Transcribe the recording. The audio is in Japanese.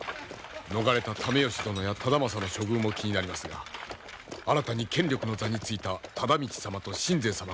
逃れた爲義殿や忠正の処遇も気になりますが新たに権力の座についた忠通様と信西様がどう出るか。